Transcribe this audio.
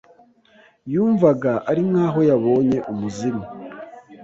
Yumvaga ari nk'aho yabonye umuzimu.